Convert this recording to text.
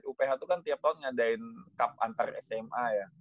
uph itu kan tiap tahun ngadain cup antar sma ya